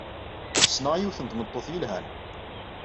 Ssneɣ yiwet n tmeṭṭut yelhan.